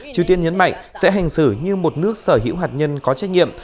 triều tiên nhấn mạnh sẽ hành xử như một nước sở hữu hạt nhân có trách nhiệm